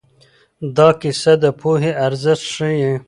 دا کیسه د پوهې ارزښت ښيي.